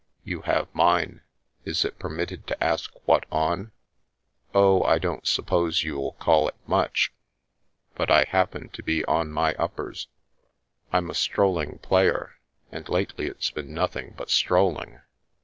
" You have mine. Is it permitted to ask what on? "" Oh ! I don't suppose you'll call it much, but I hap pen to be on my uppers. I'm a strolling player, and' lately it's been nothing but strolling.